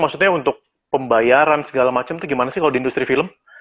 maksudnya untuk pembayaran segala macam itu gimana sih kalau di industri film